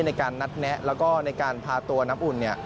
ในการนัดแนะแล้วก็ในการพาตัวน้ำอุ่นเนี่ย